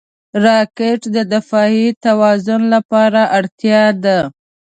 راکټ د دفاعي توازن لپاره اړتیا ده